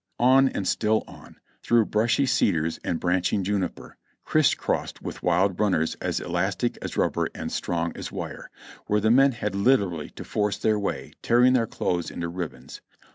On and still on; through bushy cedars and branching juniper, criss crossed with wild runners as elastic as rubber and strong as wire, where the men had literally to force their way, tearing their clothes into ribbons.